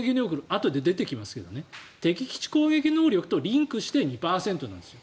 あとで出てきますが敵基地攻撃能力とリンクして２％なんです。